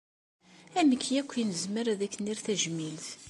Amek akk i nezmer ad ak-nerr tajmilt?